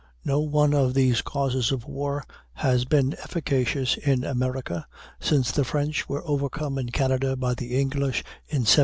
No one of these causes of war has been efficacious in America since the French were overcome in Canada by the English in 1759.